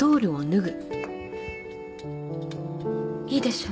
いいでしょ？